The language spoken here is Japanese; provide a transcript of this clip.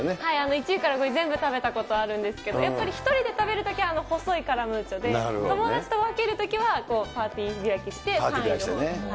１位から５位、全部食べたことあるんですけど、やっぱり１人で食べるときはあの細いカラムーチョで、友達と分けるときはパーティー開きして、３位のほう。